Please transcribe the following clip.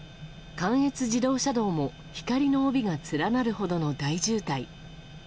関越自動車道も光の帯が連なるほどの大渋滞。